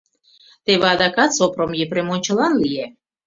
Теве адакат Сопром Епрем ончылан лие.